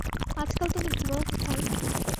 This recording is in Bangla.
আজকাল তুমি ঘুমাও কোথায়?